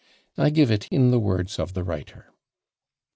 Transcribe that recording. I give it in the words of the writer.